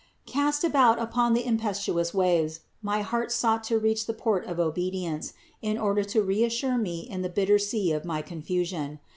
6. Cast about upon these impetuous waves, my heart sought to reach the port of obedience in order to re assure me in the bitter sea of my confusion.